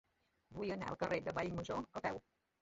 Vull anar al carrer de Vallmajor a peu.